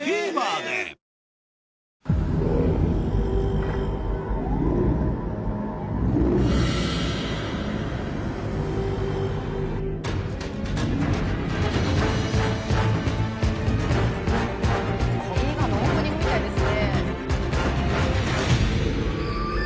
映画のオープニングみたいですね